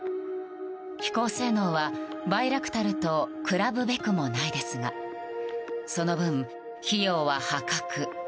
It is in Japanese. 飛行性能はバイラクタルと比ぶべくもないですがその分、費用は破格。